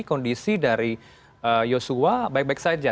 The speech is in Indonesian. kondisi dari yosua baik baik saja